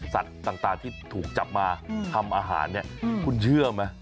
สัตว์ต่างที่ถูกจับมาทำอาหารเนี่ยคุณเชื่อไหม